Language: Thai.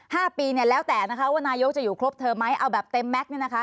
ห้าปีเนี่ยแล้วแต่นะคะว่านายกจะอยู่ครบเธอไหมเอาแบบเต็มแก๊กเนี่ยนะคะ